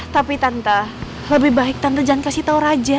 tapi tante lebih baik tanpa jangan kasih tau raja